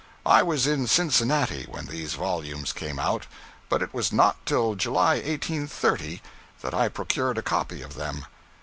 I was in Cincinnati when these volumes came out, but it was not till July 1830, that I procured a copy of them.